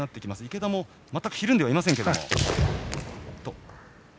池田も全くひるんでいません。